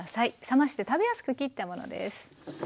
冷まして食べやすく切ったものです。